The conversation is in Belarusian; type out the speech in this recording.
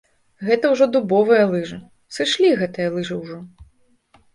Гэта ўжо дубовыя лыжы, сышлі гэтыя лыжы ўжо.